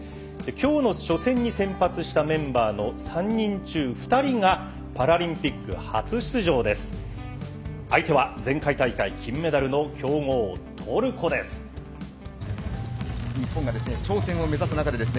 きょうの初戦に先発したメンバーの３人中２人がパラリンピック初出場です。